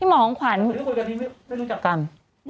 พี่หมอของขวัญไม่รู้จักกันพี่หมอของขวัญ